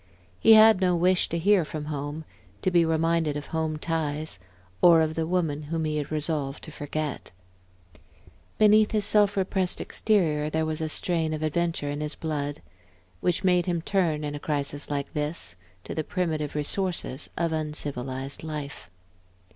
He had no wish to hear from home, to be reminded of home ties, or of the woman whom he had resolved to forget. Beneath his self repressed exterior there was a strain of adventure in his blood, which made him turn, in a crisis like this, to the primitive resources of uncivilized life.